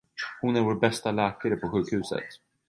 Hon är vår bästa läkare på sjukhuset.